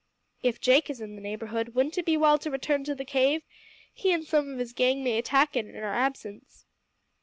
"If Jake is in the neighbourhood, wouldn't it be well to return to the cave? He and some of his gang might attack it in our absence."